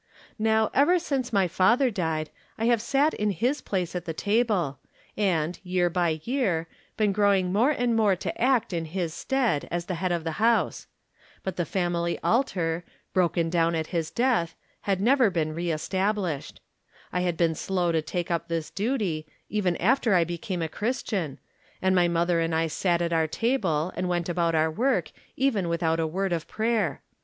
Now, ever since my father died, I have sat in his place at the table, and, year by year, been growing more and more to act in his stead as the head of the house. But the family 98 From Different Standpoints. altar, broken down at his death, had never been re established. I had been slow to take up this duty, even after I became a Christian, and my mother and I sat at our table and went about our work without even a word of prayer.